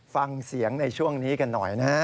ฟังเสียงในช่วงนี้กันหน่อยนะฮะ